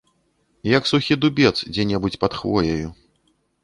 Як сухі дубец дзе-небудзь пад хвояю.